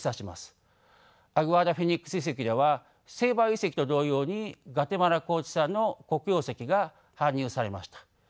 アグアダ・フェニックス遺跡ではセイバル遺跡と同様にグアテマラ高地産の黒曜石が搬入されました。